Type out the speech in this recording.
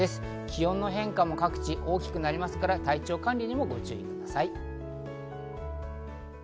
気温の変化も各地、大きくなりますから体調管理にもご注意ください。